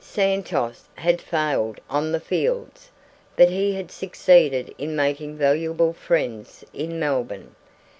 Santos had failed on the fields, but he had succeeded in making valuable friends in Melbourne.